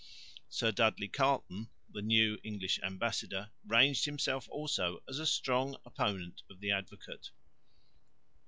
Sir Dudley Carleton, the new English ambassador, ranged himself also as a strong opponent of the Advocate.